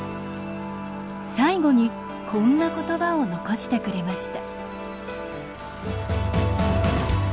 最後にこんな言葉を残してくれました。